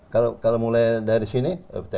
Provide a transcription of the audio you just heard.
kalau mulai dari sini